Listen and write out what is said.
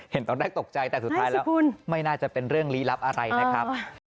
เห็นตอนแรกตกใจแต่สุดท้ายแล้วไม่น่าจะเป็นเรื่องลี้ลับอะไรนะครับ